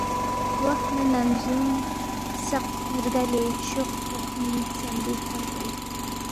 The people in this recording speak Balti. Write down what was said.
وخ نہ نمزونگ سق رگالے شول فوق نی خسمبی ژھرپو لا